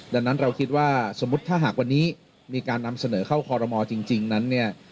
ดังนั้นเราคิดว่าสมมุติถ้าหากวันนี้มีการนำเสนอเข้าคอรมอลจริงนั้นเนี่ย